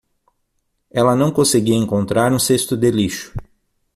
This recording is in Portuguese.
Ela não conseguia encontrar um cesto de lixo.